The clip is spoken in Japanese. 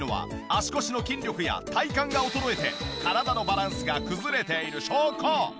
足腰の筋力や体幹が衰えて体のバランスが崩れている証拠！